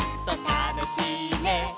「たのしいね」